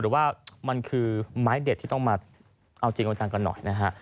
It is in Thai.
หรือว่ามันคือไม้เด็ดที่ต้องมาเอาจริงเอาจังกันหน่อยนะฮะ